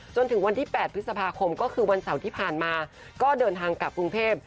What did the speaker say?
จนถึงวันที่๘พฤษภาคมก็คือวันเสาร์ที่ผ่านมาก็เดินทางกลับกรุงเทพ